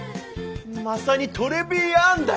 まさにトレビアンだよ！